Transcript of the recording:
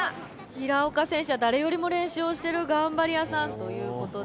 平岡選手は「だれよりも練習をしてるがんばりやさん」ということで。